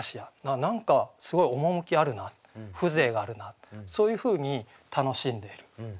何かすごい趣あるな風情があるなってそういうふうに楽しんでいる。